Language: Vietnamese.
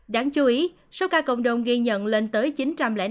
đáng chú ý số ca cộng đồng ghi nhận lên tới chín trăm linh năm ca chiếm trung bình ba mươi